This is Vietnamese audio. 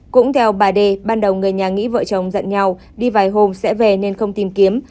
cũng theo bà d ban đầu người nhà nghĩ vợ chồng giận nhau đi vài hôm sẽ về nên không tìm kiếm